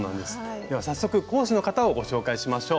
では早速講師の方をご紹介しましょう。